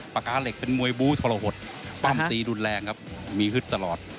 ปากกาเหล็กเป็นมวยบู้ทรหดปั้มตีรุนแรงครับมีฮึดตลอด